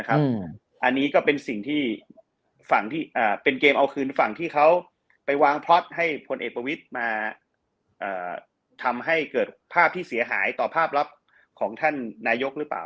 อันนี้ก็เป็นเกมเอาคืนฝั่งที่เขาไปวางพล็อตให้คนเอกประวิทมาทำให้เกิดภาพที่เสียหายต่อภาพรับของท่านนายกหรือเปล่า